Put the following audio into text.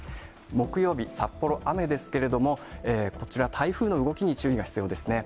木曜日、札幌、雨ですけれども、こちら、台風の動きに注意が必要ですね。